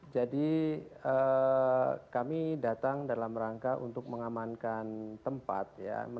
jadi kami datang dalam rangka untuk mengamankan tempat ya